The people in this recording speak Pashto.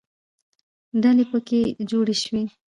ډلې پکې جوړې شوې.